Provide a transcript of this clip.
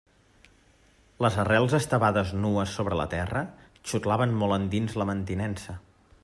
Les arrels estevades nues sobre la terra, xuclaven molt endins la mantinença.